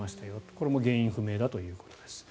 これも原因不明だということです。